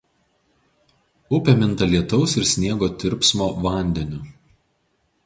Upė minta lietaus ir sniego tirpsmo vandeniu.